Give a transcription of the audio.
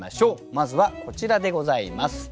まずはこちらでございます。